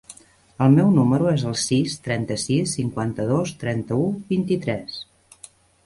El meu número es el sis, trenta-sis, cinquanta-dos, trenta-u, vint-i-tres.